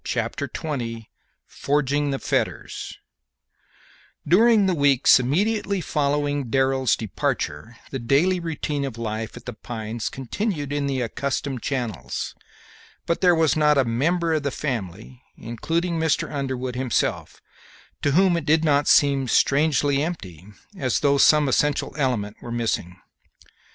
Chapter XX FORGING THE FETTERS During the weeks immediately following Darrell's departure the daily routine of life at The Pines continued in the accustomed channels, but there was not a member of the family, including Mr. Underwood himself, to whom it did not seem strangely empty, as though some essential element were missing.